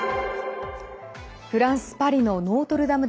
フランス・パリのノートルダム